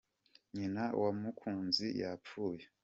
Nyina wa mukuzi yapfuye